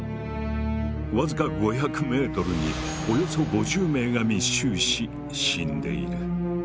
わずか５００ｍにおよそ５０名が密集し死んでいる。